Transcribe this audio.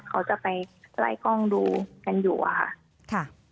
เขาจะไปไล่กล้องดูกันอยู่อะค่ะ